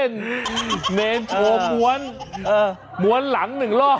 เนรโชว์ม้วนม้วนหลังหนึ่งรอบ